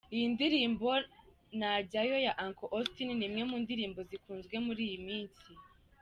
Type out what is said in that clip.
Iyi ndirimbo ‘Najyayo’ ya Uncle Austin ni imwe mu ndirimbo zikunzwe muri iyi minsi.